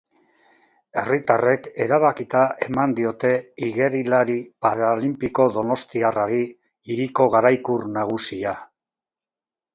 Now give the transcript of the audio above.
Herritarrek erabakita eman diote igerilari paralinpiko donostiarrari hiriko garaikur nagusia.